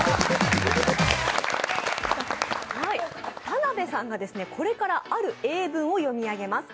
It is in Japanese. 田辺さんがこれからある英文を読み上げます。